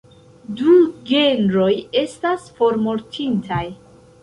Du genroj estas formortintaj.